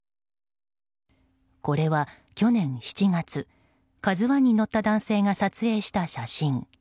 これは去年７月「ＫＡＺＵ１」に乗った男性が撮影した写真。